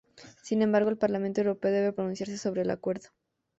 Sin embargo el Parlamento Europeo debe pronunciarse sobre el acuerdo.